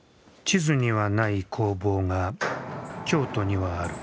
地図にはない工房が京都にはある。